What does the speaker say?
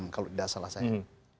kalau tidak salah saya